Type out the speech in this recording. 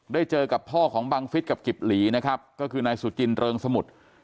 เจอกับพ่อของบังฟิศกับกิบหลีนะครับก็คือนายสุจินเริงสมุทร